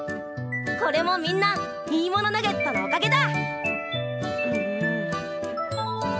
これもみんないいものナゲットのおかげだ！